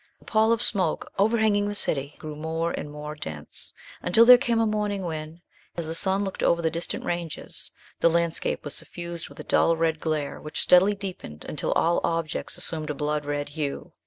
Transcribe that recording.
The pall of smoke overhanging the city grew more and more dense, until there came a morning when, as the sun looked over the distant ranges, the landscape was suffused with a dull red glare which steadily deepened until all objects assumed a blood red hue.